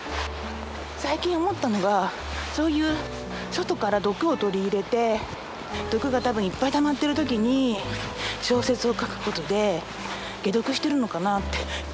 最近思ったのがそういう外から毒を取り入れて毒が多分いっぱいたまってる時に小説を書くことで解毒してるのかなって思いましたね。